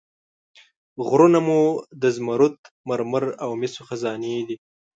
غرونه مو د زمرد، مرمر او مسو خزانې دي.